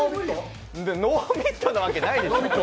ノーミットなわけないでしょ。